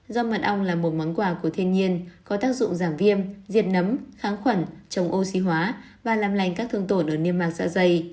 do mật ong là một món quà của thiên nhiên có tác dụng giảm viêm diệt nấm kháng khuẩn chống oxy hóa và làm lành các thương tổn ở niêm mạc dạ dày